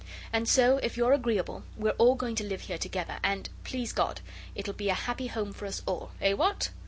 And so, if you're agreeable, we're all going to live here together, and, please God, it'll be a happy home for us all. Eh! what?